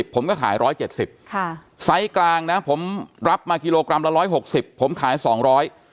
ผมก็ขาย๑๗๐ไซส์กลางนะผมรับมากิโลกรัมละ๑๖๐ผมขาย๒๐๐